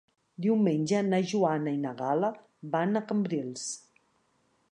Diumenge na Joana i na Gal·la van a Cambrils.